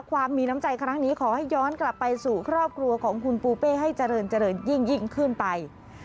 ความมีน้ำใจครั้งนี้ขอให้ย้อนกลับไปสู่ครอบครัวของคุณปูเป้ให้เจริญเจริญยิ่งขึ้นไป